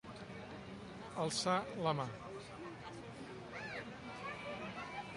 Alçar la mà.